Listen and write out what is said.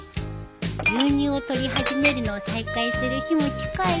牛乳を取り始めるのを再開する日も近いね。